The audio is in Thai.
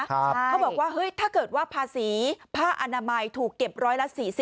เขาบอกว่าเฮ้ยถ้าเกิดว่าภาษีผ้าอนามัยถูกเก็บร้อยละ๔๐